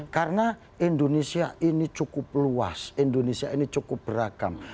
karena indonesia ini cukup luas indonesia ini cukup beragama